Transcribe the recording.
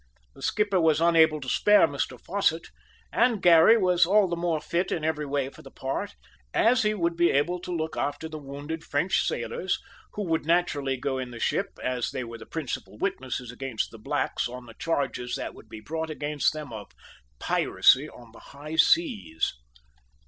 The skipper was unable to spare Mr Fosset, and Garry was all the more fit in every way for the part, as he would be able to look after the wounded French sailors, who would naturally go in the ship as they were the principal witnesses against the blacks on the charges that would be brought against them of "piracy on the high seas."